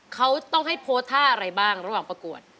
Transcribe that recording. เขาต้องให้โพสต์ท่าอะไรบ้างระหว่างประกวด